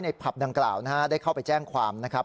ผับดังกล่าวได้เข้าไปแจ้งความนะครับ